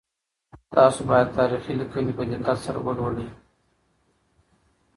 تاسو باید تاریخي لیکنې په دقت سره ولولئ.